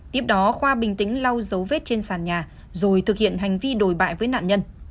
tiếp đó khoa bình tĩnh lau dấu vết trên sàn nhà rồi thực hiện hành vi đồi bại với nạn nhân